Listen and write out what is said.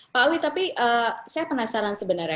pak awi tapi saya penasaran sebenarnya